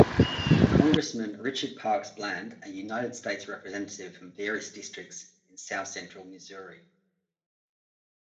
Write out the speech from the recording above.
Congressman Richard Parks Bland, a United States Representative from various districts in south-central Missouri.